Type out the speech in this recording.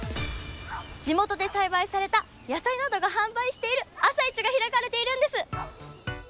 地元で栽培された野菜などが販売している朝市が開かれているんです。